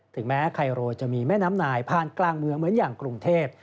ถึงแม้ไคโรจะมีแม่น้ำนายผ่านกลางเมืองเหมือนอย่างกรุงเทพ